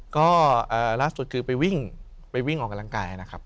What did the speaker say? ก็ล่าสุดคือไปวิ่งไปวิ่งออกกำลังกายนะครับ